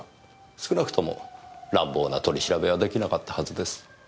少なくとも乱暴な取り調べは出来なかったはずです。